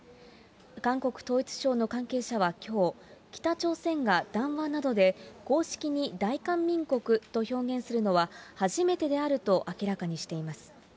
韓国統一省の関係者はきょう、北朝鮮が談話などで、公式に大韓民国と表現するのは初めてであると明らかにしています。